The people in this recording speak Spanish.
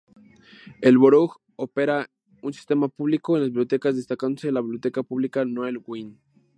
El borough, opera un Sistema Público de Bibliotecas; destacándose la Biblioteca Pública Noel Wien.